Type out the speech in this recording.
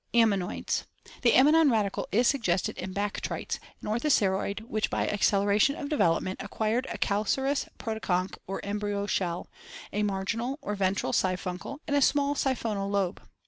Ammonoids. — The ammonoid radicle is suggested in Bactrites, an orthoceroid which by acceleration of development acquired a calcareous protoconch or embryo shell, a marginal or ventral siphuncle, and a small siphonal lobe.